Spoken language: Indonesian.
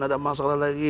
ada masalah lagi